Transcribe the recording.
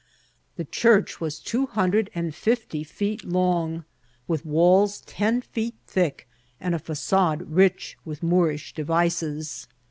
The church was two hundred and fifty feet long, with walls ten feet thick, and a facade rich with Moorish devices.